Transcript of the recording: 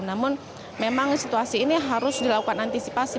namun memang situasi ini harus dilakukan antisipasi